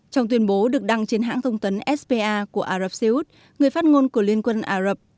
trong tuyên bố được đăng trên hãng thông tấn spa của ả rập xê út người phát ngôn của liên quân ả rập